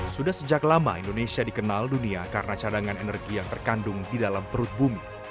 sudah sejak lama indonesia dikenal dunia karena cadangan energi yang terkandung di dalam perut bumi